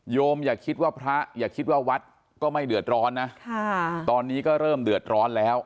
อย่าคิดว่าพระอย่าคิดว่าวัดก็ไม่เดือดร้อนนะตอนนี้ก็เริ่มเดือดร้อนแล้ว